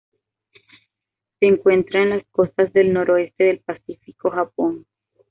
Se encuentra en las costas del noroeste del Pacífico: Japón.